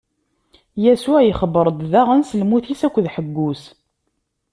Yasuɛ ixebbeṛ-d daɣen s lmut-is akked ḥeggu-s.